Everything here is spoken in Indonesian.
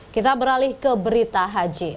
kita beralih ke berita haji